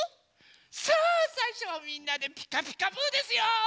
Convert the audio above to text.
さあさいしょはみんなで「ピカピカブ！」ですよ。